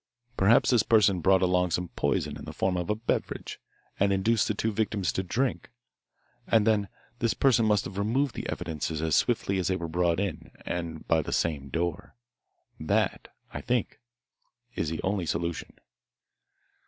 Perhaps this person brought along some poison in the form of a beverage, and induced the two victims to drink. And then, this person must have removed the evidences as swiftly as they were brought in and by the same door. That, I think, is the only solution."